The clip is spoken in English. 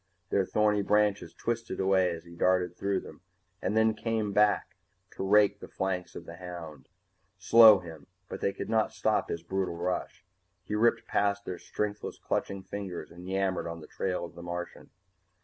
Their thorny branches twisted away as he darted through and then came back to rake the flanks of the hound, slow him but they could not stop his brutal rush. He ripped past their strengthless clutching fingers and yammered on the trail of the Martian.